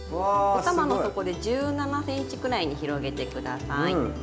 おたまの底で１７ｃｍくらいに広げて下さい。